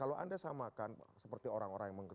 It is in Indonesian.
kalau anda samakan seperti orang orang yang mengklai